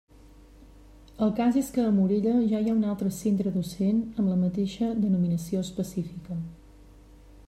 El cas és que a Morella ja hi ha un altre centre docent amb la mateixa denominació específica.